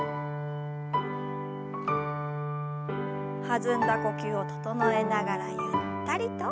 弾んだ呼吸を整えながらゆったりと。